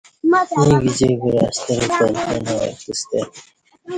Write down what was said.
ییں گجی کعہ شترک تنخوا نہ وکتستہ ای